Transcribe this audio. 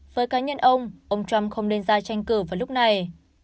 với cá nhân ông ông trump không nên ra tranh cử vào lúc này